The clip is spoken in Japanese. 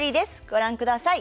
ご覧ください。